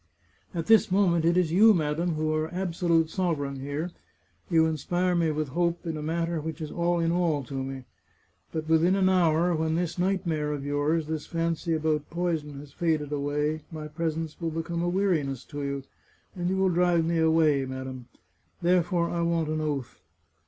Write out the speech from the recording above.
At this moment it is you, madam, who are absolute sovereign here; you inspire me with hope in a matter which is all in all to me. But within an hour, when this nightmare of yours, this fancy about poison, has faded away, my presence will become a weariness to you, and you will drive me away, madam. Therefore I want an oath.